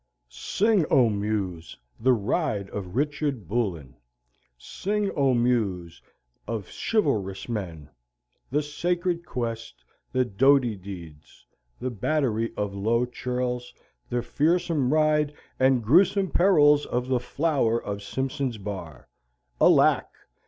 Sing, O Muse, the ride of Richard Bullen! Sing, O Muse of chivalrous men! the sacred quest, the doughty deeds, the battery of low churls, the fearsome ride and grewsome perils of the Flower of Simpson's Bar! Alack!